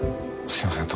すいません